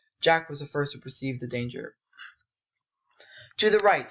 Jack was the first to perceive the danger. "To the right!